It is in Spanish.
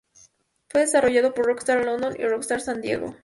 Fue desarrollado por Rockstar London y Rockstar San Diego.